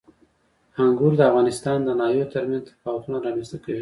انګور د افغانستان د ناحیو ترمنځ تفاوتونه رامنځته کوي.